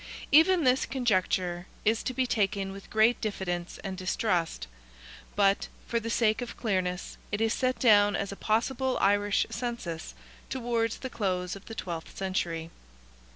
Even this conjecture is to be taken with great diffidence and distrust, but, for the sake of clearness, it is set down as a possible Irish census, towards the close of the twelfth century.